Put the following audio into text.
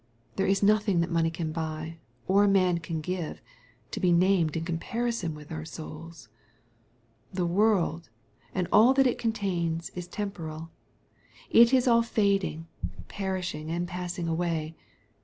There is nothing that money can buy, or man can give, to be named in comparison with our souls. The world, and all that it contains is temporal. It is all fading, perishing, and passing away.